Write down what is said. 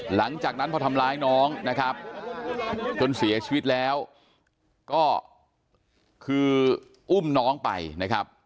หลังจากนั้นพอทำร้ายน้องนะครับจนเสียชีวิตแล้วก็คืออุ้มน้องไปนะครับ